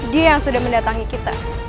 dia yang sudah mendatangi kita